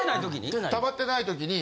たまってない時に？